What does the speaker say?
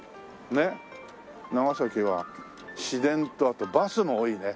長崎は市電とあとバスも多いね。